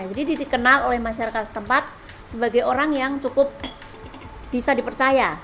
jadi dikenal oleh masyarakat setempat sebagai orang yang cukup bisa dipercaya